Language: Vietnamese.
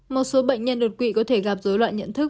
một số bệnh nhân đột quỵ có thể gặp dối loạn nhận thức